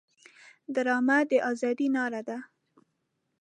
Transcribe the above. ډرامه د ازادۍ ناره ده